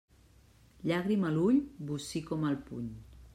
Llàgrima a l'ull, bocí com el puny.